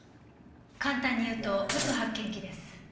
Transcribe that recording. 簡単に言うと嘘発見器です。